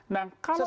nah kalau ini